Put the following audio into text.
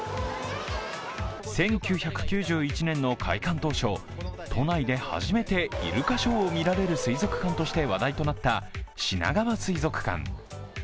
１９９１年の開館当初、都内で初めてイルカショーを見られる水族館として話題となったしながわ水族館。